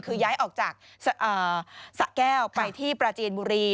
คือย้ายออกจากสะแก้วไปที่ปราจีนบุรี